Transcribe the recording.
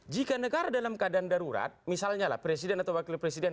jika negara dalam keadaan darurat misalnya lah presiden atau wakil presiden